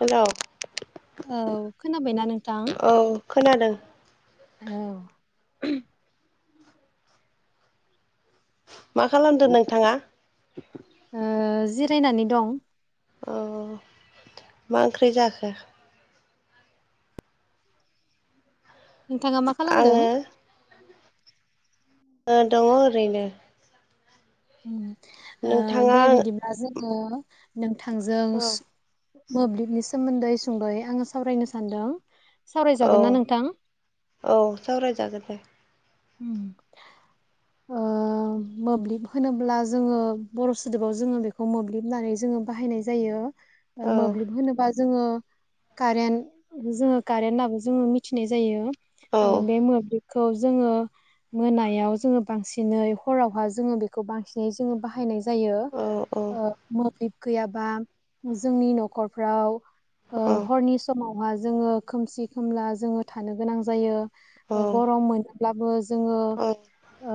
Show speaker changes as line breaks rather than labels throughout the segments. हेल'
औ खोनाबायना नोंथां
औ खोनादों
औ
मा खालामदो नोंथाङा
जिरायनानै दं।
अ मा ओंख्रि जाखो?
नोंथाङा मा
आङो
खालामदों?
दङ ओरैनो।
उम।
नोंथाङा
दे बिदिब्ला जों अ नों थां
औ
मोब्लिबनि सोमोन्दै सुंद'यै आङो सावरायनो सानदों। सावरायजागोन
औ
ना नोंथां?
औ सावरायजागोन दे।
मोब्लिब होनोब्ला जोङो बर' सोदोबाव जोङो बेखौ मोब्लिब होननानै जोङो बाहायनाय जायो।
औ
मोब्लिब होनोबा जोङो कारेन्ट जोङो कारेन्ट होनाबो जोङो मिथिनाय जायो।
औ
ओ बे मोब्लिब खौ जोङो मोनायाव जोङो बांसिनै हरावहा जोङो बेखौ बांसिनै जोङो बाहायनाय जायो।
औ औ
जायो मोब्लिब गैयाबा जोंनि न'खरफ्राव - ओ
औ
हरनि समाव जोङो खोमसि खोमला जोङो थानो गोनां जायो।
औ
गरम मोन ब्लाबो जोङो
औ
ओ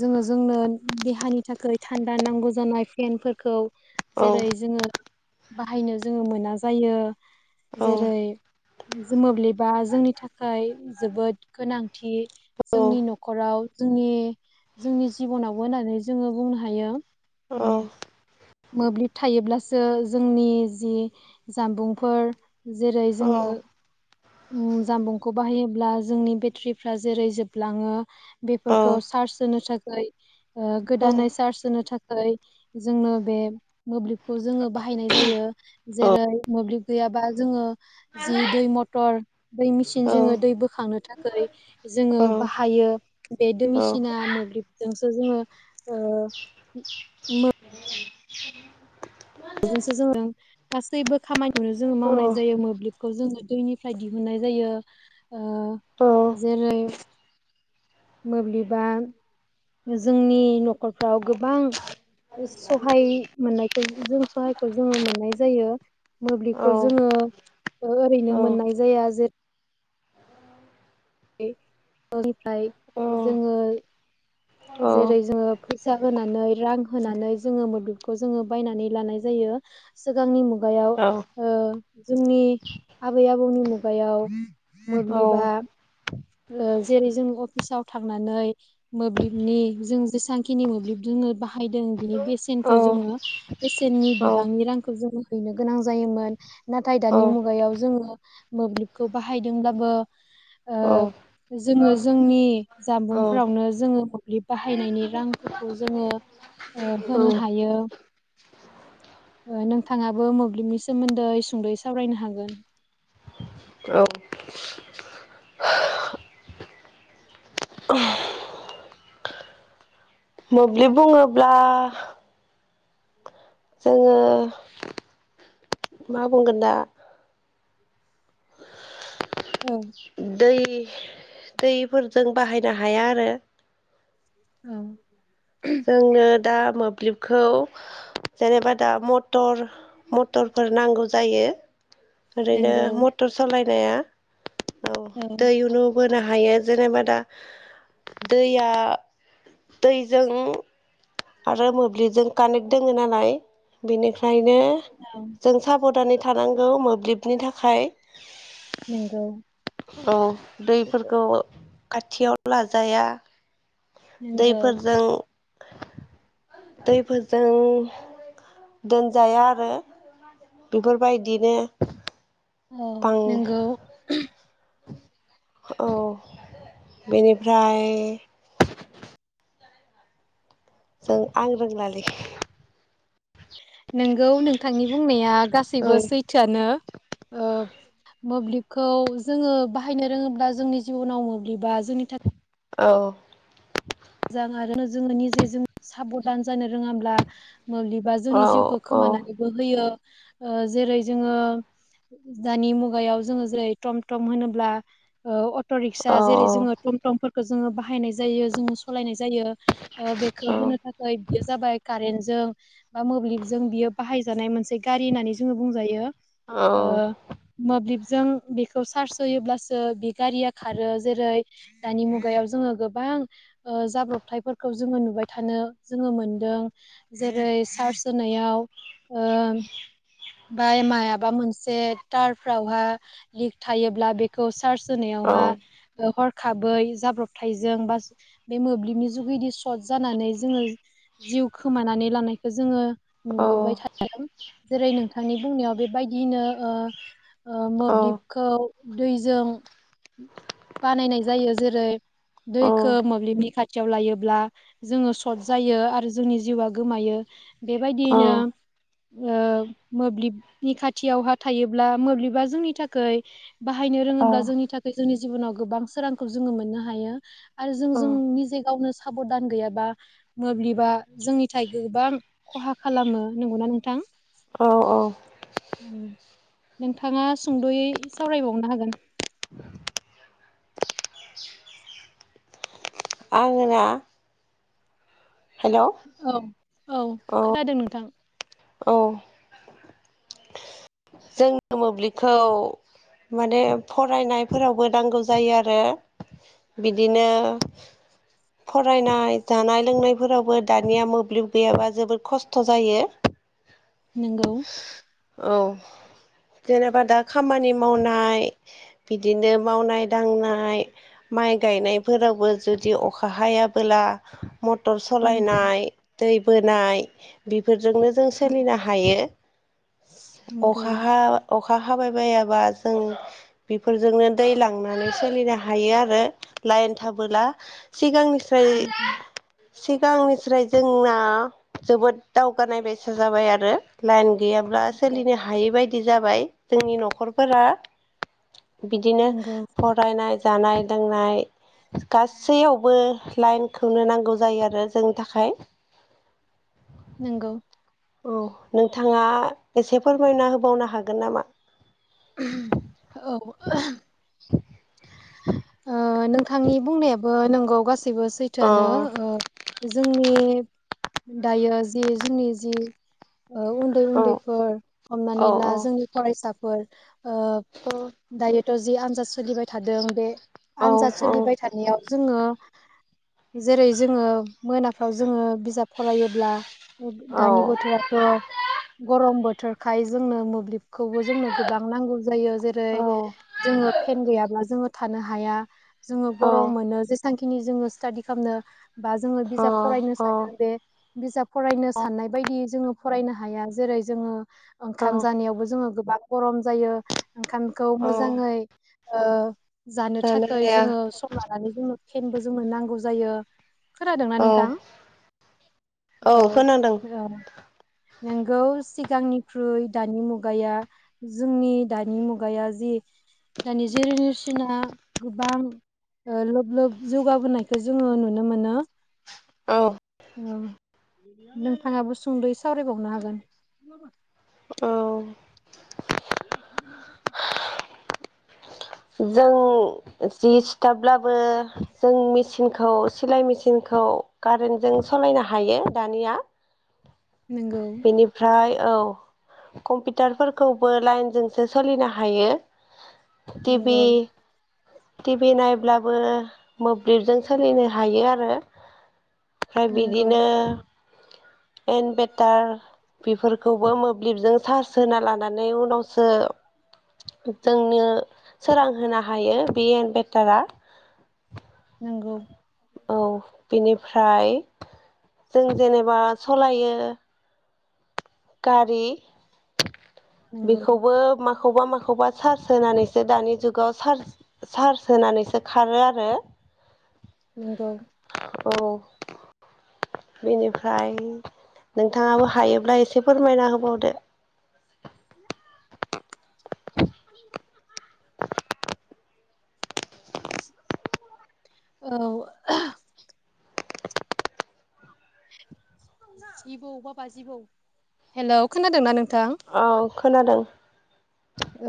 जोङो जोंनो देहानि थाखाय थान्दा नांगौ जानाय फेनफोरखौ
औ
जेरै जोङो बाहायनो जोङो मोना जायो।
औ
जेरै मोब्लिबा जोंनि थाखाय जोबोद गोनांथि। जोंनि
औ
न'खराव जोंनि जोंनि जिब'नावबो होननानै जोङो बुंनो हायो।
औ
उम मोब्लिब थायोब्लासो जोंनि जि जामबुंफोर जेरै जोङो जामबुंखौ बाहायोब्ला जोंनि बेटारिफ्रा जेरै जोबलाङो बेफोरखौ सार्स होनो थाखाय गोदानै चार्च होनो थाखाय जोंनो बे मोब्लिबखौ जोङो बाहायनाय जायो जेरै मोब्लिब गैयाबा जोङो जि दै मथर मटर दै मेसिन जोङो दै बोखांनो थाखै जोङो बाहायो । बे दै मेसिना मोब्लिबजोंसो जोङो ओ मोब्लिबजोंसो जोङो गासैबो खामानिखौनो जोङो मावनाय जायो । मोब्लिबखौ जोङो दैनिफ्राय दिहुननाय जायो । ओ जेरै मोब्लिबा जोंनि न'खरफ्राव गोबां सहाय मोननायखौ जों सहायखौ जोङो मोननाय जायो, मोब्लिबखौ जोङो ओ ओरैनो मोननाय जाया जे दैनिफ्राय जोङो जेरै जोङो फैसा होनानै रां होनानै जोङो मोब्लिबखौ जोङो बायनानै लानाय जायो सिगांनि मु गायाव ओ जोंनि आबै आबौनि मुगायाव मोब्लिबा ओ जेरै जों अफिसाव थांनानै मोब्लिबनि जों जेसांखिनि मोब्लिब जोङो बाहायदों बिनि बेसेनखो जोङो बेसेननि बिबांनि रांखौ जोङो हैनो गोनां जायोमोन । नाथाय दानि मुगायाव जोङो मोब्लिबखौ बाहायदोंबाबो ओ
औ
जोङो जोंनि
औ
जानबुंफोरावनो जोङो मोब्लिब बाहायनायनि रांफोरखौ जोङो ओ‌
औ
होनो हायो, ओ नोंथाङाबो मोब्लिबनि सोमोन्दै सुंद'यै सावरायनो हागोन ।
औ । मोब्लिब बुङोब्ला जोङो मा बुंगोन दा
ओं ।
दै दैफोरजों बाहायनो हाया आरो ‌।
ओं ।
जोंनो दा मोब्लिबखौ जेनेबा दा मटर मटरफोर नांगौ जायो । ओरैनो
नंगौ
मटर सालाय जाया औ दै उनु बो नो हायो जेनेबा दा दैया दैजों आरो मोब्लिबजों कानेक्ट दोङो नालाय बेनिफ्राय नो
औ
जों साब'दानै थानांगौ मोब्लिबनि थाखाय ।
नोंगौ ।
औ दैफोरखौ खाथियाव लाजाया
नंगौ
दैफोरजों दैफोरजों दोनजाया आरो । बेफोरबायदिनो
औ
बां
नोंगौ ।
औ बेनिफ्राय जों आं रोंलालै ।
नोंगौ नोंथांनि बुंनाया
औ
गासैबो सैथोआनो ओ मोब्लिब खौ जोङो बाहायनो रोङोब्ला जोंनि जिब'नाव मोब्लिबा जोंनि थाख
औ ।
मोजां आरो जोङो निजेजों साबधान जानो रोङाब्ला मोब्लिबा
औ
जोंनि जिउखौ
औ
खोमानानैबो होयो‌ । जेरै जोङो दानि मुगायाव जोङो जेरै टम टम होनोब्ला अट' रिक्सा
औ
जेरै जोङो टम टमफोर जोङो बाहायनाय जायो जों सालायनाय जायो। बेखौ
औ
होनो थाखाय बियो जाबाय कारेन्ट। जों बा मोब्लिब जों बियो बाहाय जानाय मोनसे गारि होननानै जोङो बुंजायो।
औ
ओं मोब्लिब जों बेखौ चार्ज होयोब्लासो बे गारिया खारो जेरै दानि मुगायाव जोङो गोबां जाब्रबथायफोरखौ जोङो नुबाय थानो जोङो मोनदों जेरै चार्च होनायाव बेमाय मायाबा मोनसे तारफ्रावहा लिक थायोब्ला बेखौ सार्स
औ
होनायावहा हर खाबै जाब्रबथायजों बा बे मोब्लिबनि जुगैदि सर्ट जानानै जोङो जिउ खोमानानै लानायखौ जोङो। नुबोबाय थादों। जेरै नोंथां नोंथांनि बुंनायाव बेबायदियैनो
औ
मोब्लिबखौ दैजों। बानायनाय जायो जेरै दैखो मोब्लिबनि खाथियाव लायोब्ला जोङो सर्ट जायो आरो जोंनि जिउआ गोमायो बेबायदियैनो मोब्लिबनि खाथियावहा थायोब्ला मोब्लिबा जोंनि थाखाय बाहायनो
औ औ
रोङोब्ला जोंनि थाखाय जोंनि जिबनाव गोबां सोरांखौ जोङो मोननो हायो। आरो जों जों निजे गावनो साबधान गैयाबा मोब्लिबा जोंनि थाखाय गोबां खहा खालामो नंगौना नोंथां।
औ औ।
नोंथाङा सुंद'यै सावरायबावनो हागोन।
आङो ना। हेल' औ
औ औ खोनादों नोंथां।
औ। जोंनो मोब्लिबखौ माने फरायनायफोरावबो नांगौ जायो आरो बिदिनो फरायनाय जानाय लोंनायफोरावबो दानिया मोब्लिब गैयाबा जोबोद खस्थ' जायो।
नोंगौ।
जेनबा दा। खामानि मावनाय। बिदिनो मावनाय दांनाय माइ गायनायफोरावबो जुदि अखा हायाबोला। मटर
नंगौ
सालायनाय दै बोनाय। बे शफोरजोंनो जों
नंगौ
सोलिनो हायो। [inaudible] अखा
नंगौ
हा अखा अखा हाबाय बायाबा जों बेफोरजोंनो दै लांनानै सोलिनो हायो आरो लाइन थाबोला सिगांनि
उ
सिगांनिस्राय जोंना जोबोद दावगानाय बेसा जाबाय आरो लाइन गैयाब्ला सोलिनो हा बेबायदि जाबाय जोंनि न'खरफोरा बिदिनो
नंगौ
फरायनाय जानाय- लोंनाय गासैयावबो लाइनखौनो नांगौ जायो आरो जोंनि थाखाय
नंगौ
औ नोंथाङा एसे फोरमायना होबावनो हागोन नामा
औ
[inaudible]
बिथांनि बुंनायाबो नोंगौ गासि गासिबो
अ
सैथोआनो जोंनि दायो जे जि जोंनि जि
औ
उन्दै-उन्दैफोर हमनानै ला जोंनि फरायसाफोर ओ
अ
दायोथ' जि आनजाद सोलिबाय थादों बे आनजाद
हाया
सोलिबाय थानायाव जोङो जेरै जोङो मोनाफ्राव जोङो बिजाब फरायोब्ला दानि बोथोराथ' गरम बोथोर बोथोरखाय जोंनो मोब्लिबखौबो जोंनो गोबां नांगौ जायो। जेरै जोङो फेन गैयाब्ला जो थानो हाया हाया जोङो गरम' मोनो जेबांखि खिनि जोङो स्टाादि खालामनो बा जोङो बिजाब फरायनो सानदों बे बिजाब फरायनो साननाय बायदि जोङो फरायनो हाया जेरै जोङो ओंखाम जानायावबो जोङो गोबां गरम जायो ओंखामखौ मोजाङै ओ जानो थाखाय जोङो सम लानानै जोङो फेनबो जोंनो नांगौ जायो खोनादोंना
औ
नोंथां औ नोंगौ सिगांनिख्रुइ दानि मुगाया जोंनि दानि मुगाया जि दानि जेनेरेसना गोबां लोब लोब जौगाबोनायखौ जोङो नुनो मोनो
औ
औ नोंथाङाबो सुंदै सावरायबावनो हागोन
औ
[inaudible]
जों जि थाब्लाबो जों मेचिनखौ सिलाय मेचिनखौ कारेन्टजों सालायनो हायो दानिया
नोंगौ
बेनिफ्राय औ कम्पिउटारफोरखौबो लाइनजोंसो सोलिनो हायो टि भि
नोंगौ
टि भि नायब्लाबो मोब्लिबजों सोलिनो हायो आरो ओमफ्राय
नोंगौ
बिदिनो इनभेटार बेफोरखौबो मोब्लिबजों चार्ज होना लानानै उनावसो जोंनो सोरांहोनो हायो बे एनभेटारा
नोंगौ
औ बिनिफ्राय जों जेनेबा सलायो गारि
नोंगौ
बेखौबो माखौबा माखौबा चार्स होनानैसो दानि जु जुगाव चार्ज होनानैसो खारो आरो
नोंगौ
औ बेनिफ्राय नोंथाङाबो हायोब्ला एसे फोरमायना होबावदो
औ [unintelligible] जिबौ बा बा जिबौ हेलौ खोनादोंना नों
औ खोनादों
औ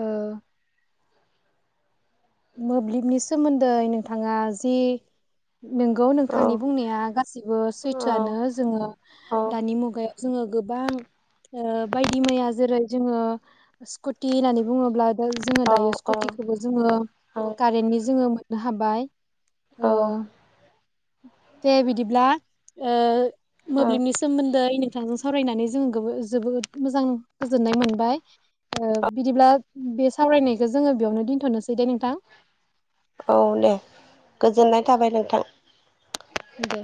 मोब्लिबनि सोमोन्दै नोंथाङा जि नोंगौ
औ
नोंथांनि बुंनाया गासिबो
औ
सैथोआनो जोङो
औ
दानि मुगायाव जोङो गोबां ओ बायदि मैया जेरै जोङो स्कुटि होननानै बुङोब्ला जोङो
औ
दायो
औ
स्कुटिखौबो जोङो
औ
कारेन्टनि जोङो नो हाबाय
औ
ओ दे बिदिब्ला
औ
मोब्लिबनि सोमोन्दै नोंथांजों सावरायनानै जोङो जोबोद मोजां गोजोननाय मोनबाय बिदिब्ला बे सावरायनायखौ जोङो बेयावनो दोनथ'नोसै दे नोंथां
औ दे गोजोननाय थाबाय नोंथां।
दे।